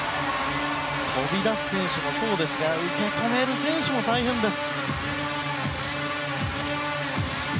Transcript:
飛び出す選手もそうですが受け止める選手も大変です。